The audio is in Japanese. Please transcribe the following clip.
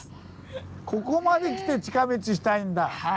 ここまで来て近道したいんだ！